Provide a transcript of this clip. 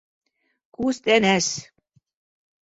Күстәнәс!